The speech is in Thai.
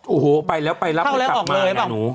โอ้โหไปแล้วไปรับให้กลับมานะหนู